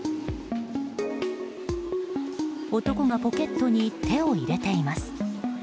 男がポケットに手を入れています。